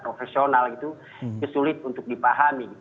profesional itu sulit untuk dipahami